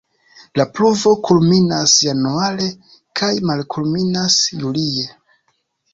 La pluvo kulminas januare kaj malkulminas julie.